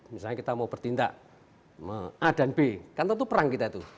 misalnya kita mau bertindak a dan b kan tentu perang kita tuh